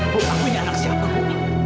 bukan aku ini anak siapa ibu